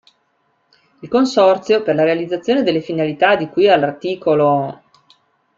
Il Consorzio, per la realizzazione delle finalità di cui all’art.